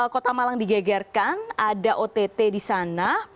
kota malang digegerkan ada ott di sana